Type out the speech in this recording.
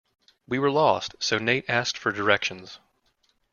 We were lost, so Nate asked for directions.